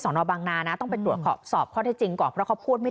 นอบางนานะต้องไปตรวจสอบสอบข้อเท็จจริงก่อนเพราะเขาพูดไม่